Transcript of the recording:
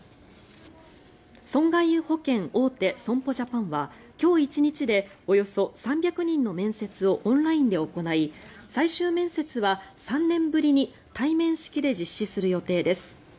損害保険大手、損保ジャパンは今日１日でおよそ３００人の面接をオンラインで行い最終面接は３年ぶりに対面式で実施する予定です。